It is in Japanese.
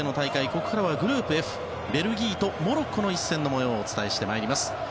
ここからはグループＦベルギーとモロッコの一戦の模様をお伝えしてまいります。